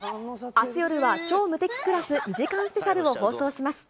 あす夜は、超無敵クラス２時間スペシャルを放送します。